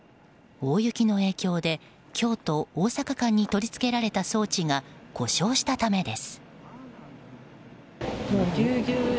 大雪の影響で京都大阪間に取り付けられた装置が故障したためです。